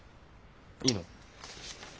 いいの？